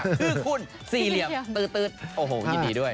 คือคุณสี่เหลี่ยมตื๊ดโอ้โหยินดีด้วย